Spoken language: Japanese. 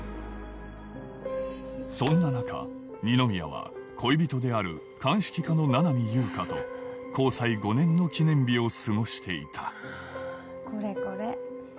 そんな中二宮は恋人である鑑識課の七海悠香と交際５年の記念日を過ごしていた「これこれ」